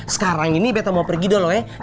sekarang ini beto mau pergi dulu ya